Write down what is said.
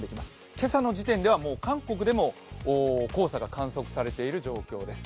今朝の時点ではもう韓国でも黄砂が観測されている状況です。